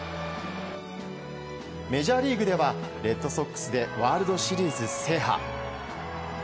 メジャーリーグではレッドソックスでワールドシリーズ制覇。